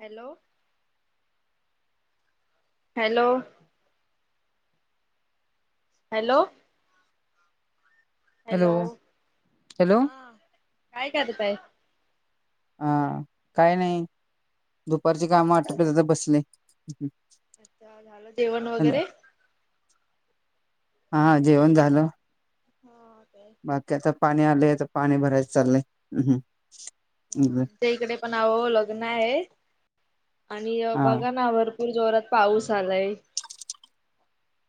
Hello hello hello hello hello हा काय करताय हा काही नाही दुपारचे काम आठप्या बसले अच्छ झालं जेवण हॅलो वगैरे हा जेवण झालं हो बाकी आता पाणी आलेय तर पाणी भरायच चाललंय हम्म आमच्या इकडे पण अ लग्न आहे आणि हा बघा ना भरपूर जोरात पाऊस आलाय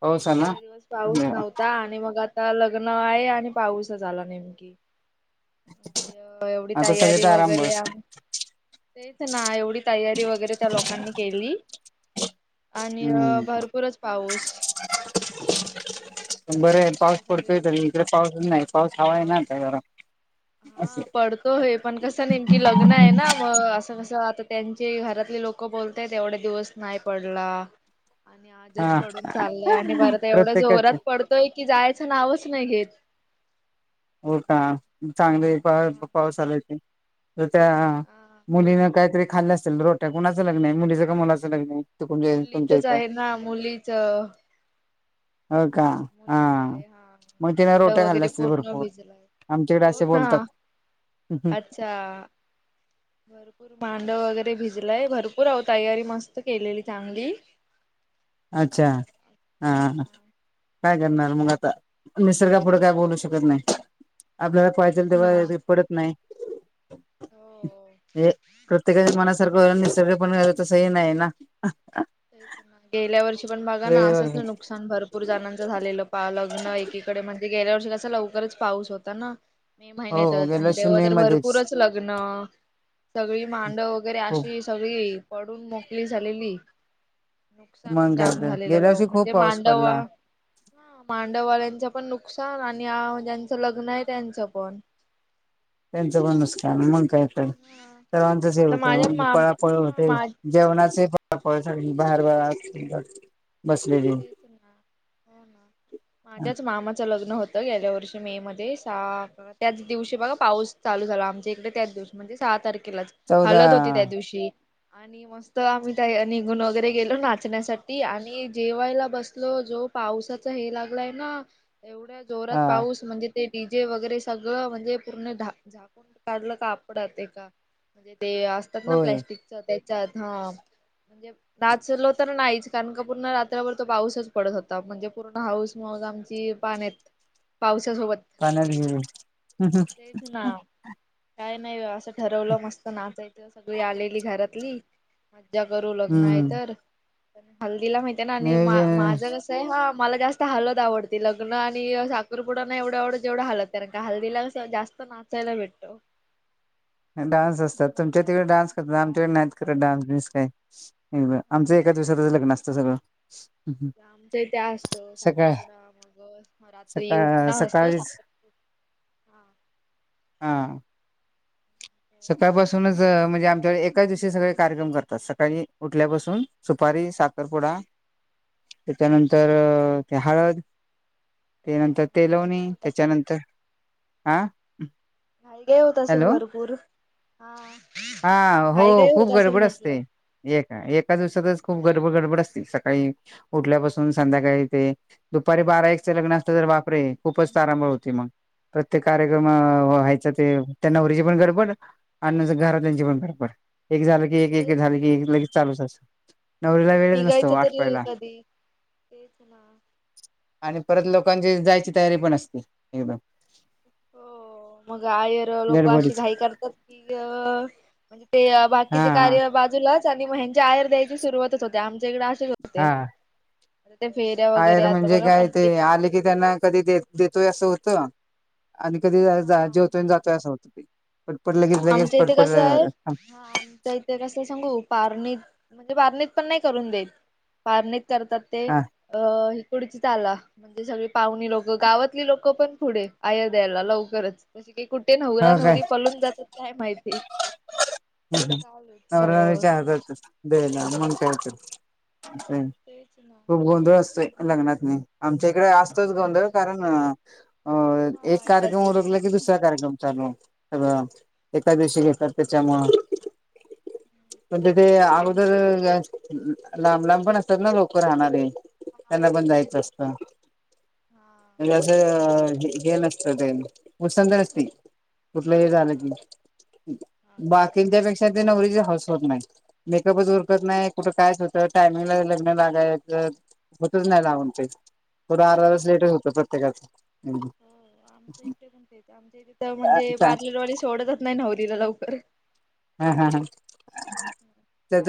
पाऊस आला एवढे दिवस पाऊस नव्हता आणि मग आता आता लग्न आहे आणि पाऊस झा आला नेमकी म्हज एवढी आता तयारी सगळे आराम वगरे बस तेच ना एवढी तयारी वगैरे त्या लोकांनी केली [inaudible] आणि हम्म भरपूरच पाऊस बरं आहे पाऊस आता सगळी पडतोय त इकडे पाऊसच नाही पाऊस हवा आहे पाऊस नाता जरा असे हा पडतो हे पण कसं नेमकी लग्न आहे ना मग असं कस आता त्यांचे घरातले लोक बोलतय एवढा दिवस नाही पडला आणि आजच हा पडून चाललंय आणि बरत एवढ्या प्रत्येकाचे जोरात पडतोय की जायचं नावच नाही घेत हो का चांगले पा हा. पाऊस आलायचे तर त्या हा मुलीन काहीतरी खाल्लं असेल रोट्या कुणाचं लग्न आहे मुलीचं का मुलाचं लग्न आहे तुम तुमच्या मुलीचच इथं आहे ना मुलीच हो का हा मुलीच आहे हा. मग तिने मांडव रोट्या खाल्ल्या वगैरे असतील पूर्ण भरपूर आमच्याकडे हो असे ना बोलतात अच्छा मांडव वगैरे भिजलाय भरपूर आव तयारी मस्त केलेली चांगली अच्छा हा काय करणार मग आता निसर्गापुढे काय बोलू शकत नाही आपल्याला पाहिचल तेच तेव्हा ना ते पडत नाही हो हे प्रत्येका गे मनासारखं वस सगळे पण वलं तस हे नाही ना गेल्या वर्षी पण बघा ना वेळेवर असंच नुकसान भरपूर जणांच झालेलं पा लग्न एकीकडे म्ह गेल्या वर्षी कसा लवकरच पाऊस होता ना मे हो महिन्यातच गेल्या आणि वर्षी तेव्हा मे तर मध्येच भरपूरच लग्न सगळी मांड वगैरे हो अशी सगळी पडून मोकळी झालेली नुकसानच मग काय जाम तर झालेलं गेल्या वर्षी लोक खूप म्हणजे पाऊस मांडव पडला ह मांडववाल्यांचं पण नुकसान आणि ज्यांचं लग्न आहे त्यांचं पण त्यांच प नुसकान मग काय हा सर्वांच आता माझ्या होत माम पळापळ हा होते माझ जेवणाचे बाहेर बाहेर माझ्याच मामाच लग्न होत गेल्या वर्षी मे मध्ये सहा त्याच दिवशी बघा पाऊस चालू झाला, आमच्या इकडे त्याच दिवशी म्हणजे सहा तारखे चौदा हळद होती त्या दिवशी. आणि मस्त आम्ही त्या निघून वगैरे गेलो नाचण्यासाठी आणि जेवायला बसल जो पावसाचा हे लागलाय ना एवढ्या जोरात हा पाऊस म्हणजे ते डी जे वगैरे सगळं म्हणजे पूर्ण झाकून काढलं का आपडात येका ते असतात ना होय प्लस्टिक च हा म्हणजे नाचलो तर नाहीच कारण का पूर्ण तोवर पाऊसच पडत होता म्हणजे पूर्ण हौसंमौसं आमची, पाण्यात पाऊ त्या सोबत गेली, तेच ना. काय नाही, असं ठरवलं मस्त नाचायचं सगळी आलेली घरातली ज्या घरू लग्न आहे हम्म तर हल्दीला माहिती आहे ना आणि अ नियोजन माझं कसं आहे ह मला जास्त हलद आवडती लग्न आणि अ साखरपुडा एवढ एवढ जेवढं हालद कारण का हळदीला जास्त नाचााला भेटतो. डान्स असतात मग तुमच्या तिकडे डान्स करतात, काय आमच्याकडे नाहीत करत डान्स बी कायं. हा आमचं एकाच दिवसातचं लग्न असतं सगळं. आमच त्या असत सकाळ साखरपुडा मग रात्री उठण सकाळ असतो सकाळीच साखरपुडा. हा. सकाळपासूनच म्हणजे आमच्या व एकाच दिवशी सगळे कार्यक्रम करतात सकाळी उठल्यापासून सुपारी साखरपुडा, त्याच्यानंतर अ ते हळद, त्या नंतर मग ते घाई काय लवणी होत असत त्याच्यानंतर आ घाईघाई होत असेल भरपूर घाईघाई होत असेल म्हंटलं. एक एका दिवसातच खूप गर गडबड अस सकाळी उठल्यापासून संध्याकाळी ते दुपारी बारा एकचं लग्न असलं तर बापरे- खूपच तारांबळ होते मगं प्रत्येक कार्यक्रम अ.. व्हायचं ते त्या नवरीची पण गडब अनं घरातल्यांची पण फडफड एक झालं की एक एक तेच झालं किं म्हणजे एक लगेच चालूच असतं. नवरीला एवढं वेळच नसतो निघायचं तरी आटपायला कधी आणि परत लोकांची जायची तयारी पण असते. एकदम हो मग आयर लोक अशी गडबडीच घाईतं करतो की अ, म्हणजे ते हा बाकीचे हा कार्य बाजूलाच आणि ह्यांच्या आयर द्यायची सुरुवातच होते आमच्या इकडे असेच होते. ते फेऱ्या वगैरे आयर आता म्हणजे बघा काय ते पंडित आले की त्यांना कधी देतोय असं होतं. आणि कधी हा जाय-जेवतोय जातोय असं होत ते. पटपट लगेच लगेच आमच्या इथे पटपट कसं आहे अ आमच्या-आमच्या इथे कस सांगू पारणीत म्हणजे पारणीत पण नाही करून देत पारणीत करतात ते हा अ पुढची चाला म्हणजे सगळी पाहुणी लोकं, गावातली लोकं पण पुढे आयर द्यायला लवकरच तशी की कुठे नवरा हो काय नवरी पलून जातात काय माहिती? नवरा सगळ्या गोष्टी नवरी [unintelligible] मग काय तर. खूप गोंधळ असतो लग्नातनी. आमच्या इकडे असतोच गोंधळ कारण अ, एक हा एका कार्यक्रम दिवशी ओरखला की दुसरा कार्यक्रम. चालू तर-अ एकाचं दिवशी घेतात त्याच्या मुळ म्हणजे ते तसं आम अगोदर अ लांब लांब पण असतात ना लोक राहणारे. त्यांना पण जायचं असत म्हणजे असं कि हे नसत ते [unintelligible] कुठलं हे झालं की बाकी त्यांच्यापेक्षा ते नवरीचीचं हौस होत नाही मेकअपच उरकत नाही, कुठं कायच होतं टायमिंगला लग्न लागतं नाही होतच नाही लावून ते पूर अर्ध-अर्ध लेटच होतं प्रत्येकाच. ह. आमचं एकटे कोणच आमच्या इथं म्हणजे पार्लरवाली सोडतच नाही नवरीला लवकर.. हा हा तेच ना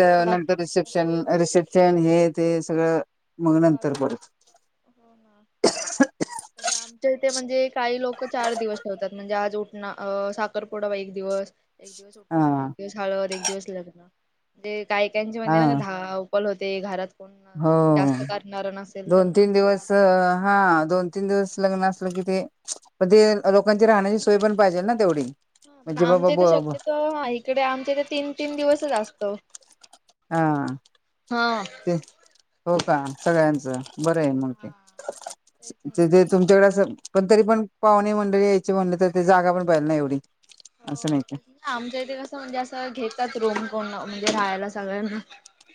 टाईम लागतो नंतर रिसेप्शन अ-रिसेप्शन हे.. ते सगळं मग नंतर चालू परत हो ना तरी आमच्या इथे म्हणजे.. काही लोक चार दिवस ठेवतात म्हणजे आज-उठणा अ-साखरपुडा एक दिवस. एक दिवस हा उठणा, एक दिवस हळद, एक दिवस लग्न म्हणजे कायकायांचे हा म्हणजे धावप- होते घरात कोण हो अ-जास्त दोन तीन दिवस हा दोन तीन दिवस लग्ना कि ते लोकांची राहण्याची सोय पण पाहिजेल ना तेवढी. हा पण म्हणजे बाबा आमच्याईथे ब शक्यतो हा इकडे आमच्याइथे तीन तीन दिवसच असतो. हा हा. ते हो का सगळ्यांचं. बरं आहे मग ते तेच ना तेथे तुमच्याकडे आस पण तरी पण पाहुणे मंडळी यायची म्हणल तर जागा पण पाहिजेल ना एवढी. असं हो नाही का तेच आमच्या इथे कसं म्हणजे असं घेतात. रूम कोण म्हणजे राहायला सगळ्यांना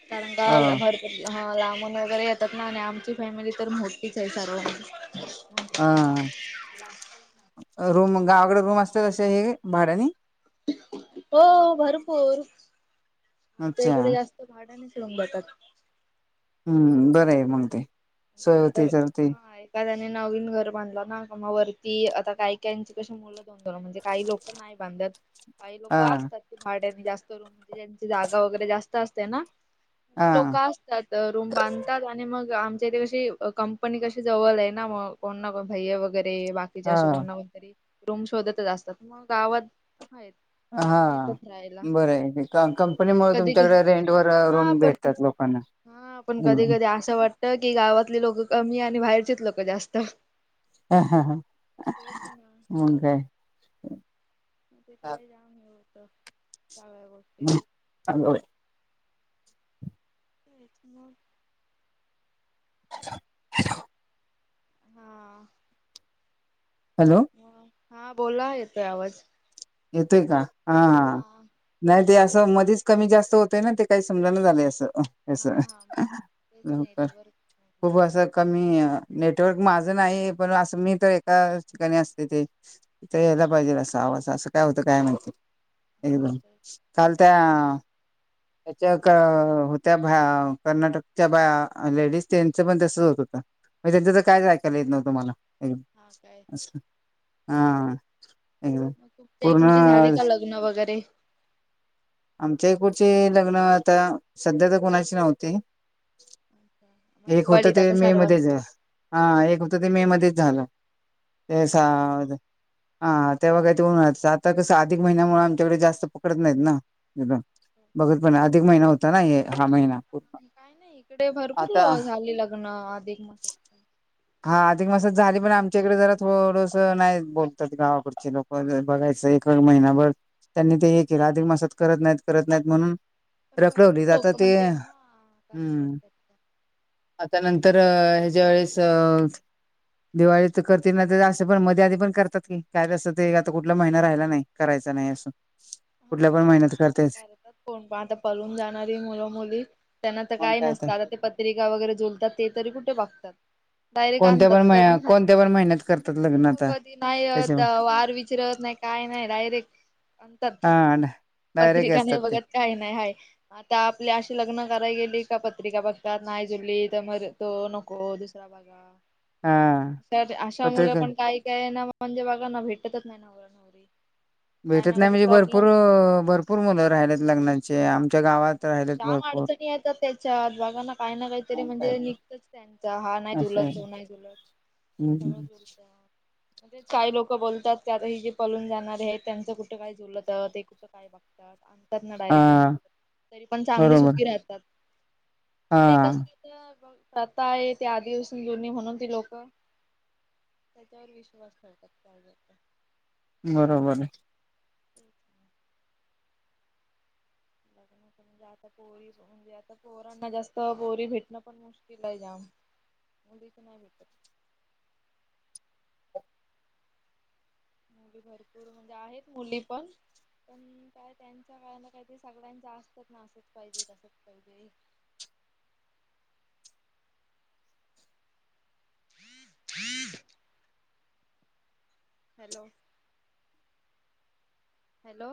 कारण का अ भरपूर हा लांबून वगैरे येतात ना आणि आमची फॅमिली तर मोठीच आहे सर्वांमध्ये. अ रूम गावाकडे रूम असतसे हे भाड्यानी? हो भरपूर आमच्या अच्छा इकडे जास्त भाड न [unintelligible] हम्म बरं आहे मग ते. सोय म्हणजे आता होती तर ती हा एखाद्याने नवीन घर बांधलं ना का म वरती की आता कायकायंची कशी मुलं द म्हणजे काही लोक नाही बांधत काही लोक हा असतात भाड्यानी जास्त रूम ज्यांची जागा वगैरे जास्त असते ना हा ती लोक असतात रूम बांधतात आणि मग, आमच्या इथे कशी कंपनी कशी जवल आहे ना मग कोण ना भै्य वगैर वगैरे बाकीचेे हा आशे कोण ना कोण तरी रूम शोधतच असतात मग गावात हायेत. हा बरं मग कंपनीमुळे कधी तुमच्याकडे रेंट वर हा रूम पण भेटतात लोकांना. हा पण कधी कधी असं वाटत की गावातली लोक कमी आणि बाहेरचेच लोक जास्त. ह ह ह मग काय. मग ते काय जाम हे होत. हम् हय. [unintelligible] Hello hello. हा. हॅलो हा बोला येतोय आवाज. येतोय का हा हा नाही ते असं मधीच कमी जास्त होत ते ना ते काही समजाण झाले असं. अ आस खूप असं कमी नेट नेटवर्क माझं नाई पण असं मी तर एका ठिकाणी असते तेथ यायला पाहिजे असं आवाज असं का होतं काय माहिती हं काल त्या त्याच्या का होत्या हा कर्नाटकच्या बाया लेडीज त्यांचं पण तस होत होतं मजे त्यांच तर कायच ऐकायला येत नव्हतं. तुम्हाला अ अस हा एकदम. मग तुमच्या पूर्ण इकडची झाली का लग्न वगैरे? आमचे [unintelligible] नापूरची लग्न आता सध्या तर कोुणाची नव्हती. मग एक होतं दिवाळीत ते आता मे मध्येच सर्वांची हा एक होतं ते मे मध्येच झालं. ते स हा तेव्हा काही ते उन्हाळा आता कसं अधिक महिन्या मुळे आमच्याकडे जास्त पकडत नाहीत ना बघत पण अधिक महिना हो हा काही नाही इकडे भरपूर आता लो झाली लग्न अधिक मास पण. हा अधिक मासात झाली पण आमच्या इकडे जरा थोडस नाही बोलतात गावाकडचे लोक बघायचं. ए महिनाभर त्यांनी ते हे केलं अधिक मासात करत नाहीत करत नाहीत म्हणून पण भरपूर रखडवली आता लोकं ते म्हणते हा हम्म करतायेत. आता त्यानंतर अ हेज्या वेळेस अ दिवाळी तर करते ना तर असं पण मध्ये आधी पण करतात की काय अससं ते आता कुठला महिना राहिला नाही करायचा. क नाय आस हा तेच ना आता करता कोण आता पलून जाणारी मुलं मुली त्यांना तर मग काय नसत तर आता ते पत्रिका वगैरे जोलतात ते तरी कुठे बगतात. कोणत्या पण महिन्या कोणत्या पण महिन्यात. करतात लग्न हो आता कधी नाही यत त्याच्यामुळे वार विचरत नाही काय नाही डायरेक. प हा डायरेक्ट पत्रिका असतात नाही ते बघत काय नाही हा आता आपले अशीे लग्न कराय गेली का पत्रिका बघतात नाही जुडली तर म तो नको दुसरा बगा. हा अशा अशा मुलं पत्रकार पण काही काहींना म्हणजे बघा ना भेटतच नाही ना नवरी काय भेटत ना नाही कधी म्हणजे भरपूर प्रॉब्लेम भरपूर मुलं राहिलेत लग्नांचे आमच्या गावात राहिलेत लांब भरपूर अडचणी येतात त्याच्यात बघा ना काही ना काहीतरी मग काय म्हणजे तर निघतच त्यांचा हा नाही असं जुलत आहे तो नाही जुलत, सगळं हम्म. जुलतं, म्हणजे काही लोक बोलतात त्यावेळी जे पलून जाणारे आहेत त्यांचं कुठं काय जुलतं, ते कुठं काय बगतात आणतात ना डायरेक लग्न हा तरी पण चांगली बरोबर सुखी राहतात. ते कस हा ते बग प्रथा आहे ती आदिपासुन जुनी म्हणून ती लोक त्याच्यावर विश्वास ठेवतात [unintelligible] बरोबर आहे. ते बगा म्हणजे आता पोरी म्हणजे आता पोरांना जास्त पोरी भेटणं पण मुश्किल आहे जाम. मुलीचं नाही भेटत. मुली भरपूर म्हणजे आहेत मुली पण पण काय त्यांच्या काय ना काहीतरी सगळ्यांच्या असतंच ना असच पाहिजे तसच पाहिजे [inaudible] हॅलो हॅलो